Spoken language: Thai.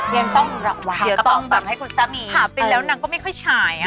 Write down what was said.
ยังต้องระวังกระเป๋าตังค์ให้คุณสมีย์หาเป็นแล้วนางก็ไม่ค่อยฉายอ่ะ